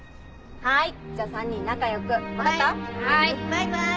バイバイ。